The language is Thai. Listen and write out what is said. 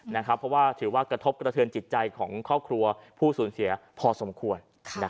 เพราะว่าถือว่ากระทบกระเทือนจิตใจของครอบครัวผู้สูญเสียพอสมควร